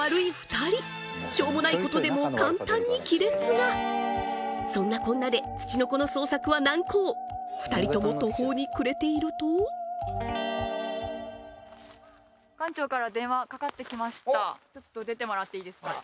２人しょうもないことでも簡単に亀裂がそんなこんなでツチノコの捜索は難航２人とも途方に暮れているとちょっと出てもらっていいですか？